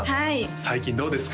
最近どうですか？